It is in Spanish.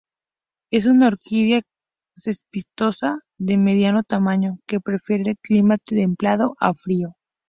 Es una orquídea cespitosa de mediano tamaño que prefiere el clima templado a frío.